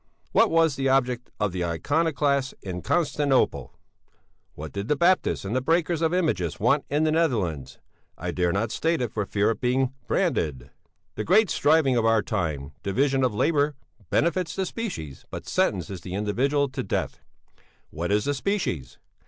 "'What was the object of the iconoclasts in Constantinople? What did the baptists and breakers of images want in the Netherlands? I dare not state it for fear of being branded. "'The great striving of our time: division of labour benefits the species but sentences the individual to death. What is the species?